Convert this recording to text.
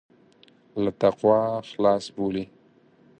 له تقوا خلاص بولي.